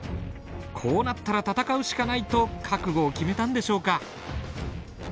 こうなったら闘うしかないと覚悟を決めたんでしょうか。